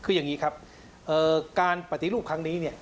คืออย่างนี้ครับการปฏิรูปครั้งนี้เนี่ย